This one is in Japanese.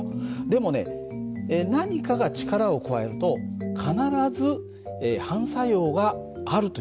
でもね何かが力を加えると必ず反作用があるという事なんだ。